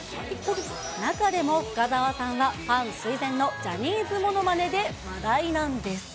中でも、深澤さんはファンすいぜんのジャニーズものまねで話題なんです。